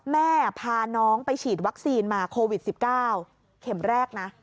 แม่พาน้องไปฉีดวัคซีนมาโควิด๑๙เข็มแรกนะ